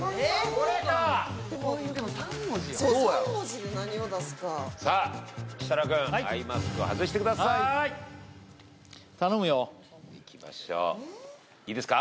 これか・でも３文字よそう３文字で何を出すかさあ設楽くんアイマスクを外してください頼むよいきましょういいですか？